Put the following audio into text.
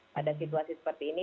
pada situasi seperti ini